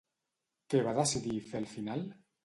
Què va decidir fer al final?